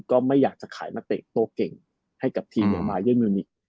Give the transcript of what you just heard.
ก็ไม่อยากจะขายนักเด็กตัวเก่งให้กับทีมบายัน